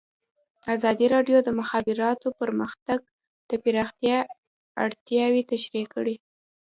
ازادي راډیو د د مخابراتو پرمختګ د پراختیا اړتیاوې تشریح کړي.